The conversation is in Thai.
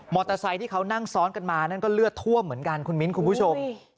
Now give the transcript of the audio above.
ไซค์ที่เขานั่งซ้อนกันมานั่นก็เลือดท่วมเหมือนกันคุณมิ้นคุณผู้ชม